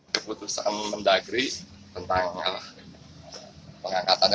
keputusan mendagri tentang pengangkatannya